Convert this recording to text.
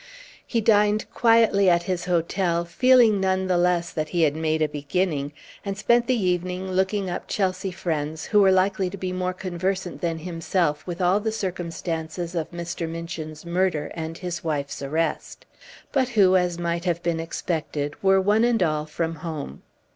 He dined quietly at his hotel, feeling none the less that he had made a beginning, and spent the evening looking up Chelsea friends, who were likely to be more conversant than himself with all the circumstances of Mr. Minchin's murder and his wife's arrest; but who, as might have been expected, were one and all from home.